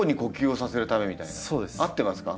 合ってますか？